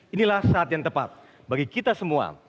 inilah saat yang tepat bagi kita semua